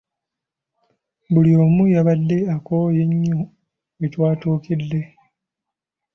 Buli omu yabadde akooye nnyo we twatuukidde.